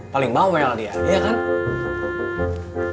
paling bawel dia iya kan